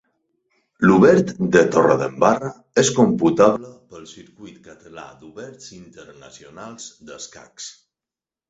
L'Obert de Torredembarra és computable pel Circuit Català d'Oberts Internacionals d'Escacs.